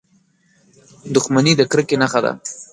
• دښمني د کرکې نښه ده.